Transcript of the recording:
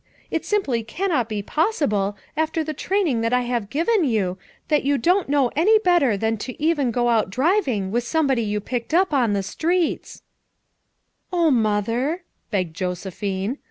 It simply cannot be possible, after all the training that I have given you, that you don't know any better than to even go out driv ing with somebody you picked up on the streets V 9 "Oh, Mother!" begged Josephine.